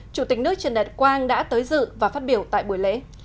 chủ tịch nước trần đại quang đã tới dự và phát biểu tại buổi lễ